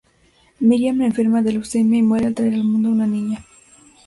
Miriam enferma de leucemia y muere al traer al mundo a una niña.